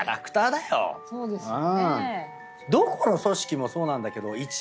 そうですよね。